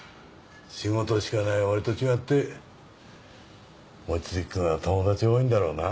仕事しかない俺と違って望月くんは友達多いんだろうな。